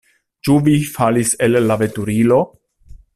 Ĉu vi falis el la veturilo?